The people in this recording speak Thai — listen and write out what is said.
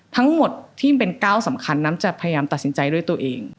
ทั้งหมดที่มันเป็นก้าวสำคัญนั้นจะพยายามตัดสินใจด้วยตัวเอง